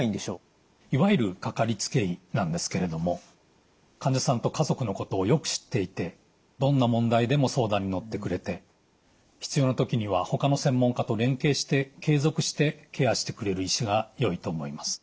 いわゆるかかりつけ医なんですけれども患者さんと家族のことをよく知っていてどんな問題でも相談に乗ってくれて必要な時にはほかの専門科と連携して継続してケアしてくれる医師がよいと思います。